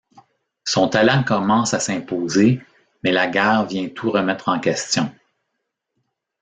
Son talent commence à s'imposer mais la guerre vient tout remettre en question.